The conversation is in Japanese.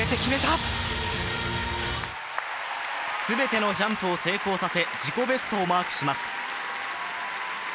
全てのジャンプを成功させ自己ベストをマークします。